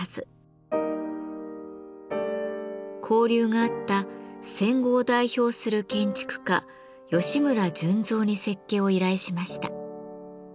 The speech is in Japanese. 交流があった戦後を代表する建築家吉村順三に設計を依頼しました。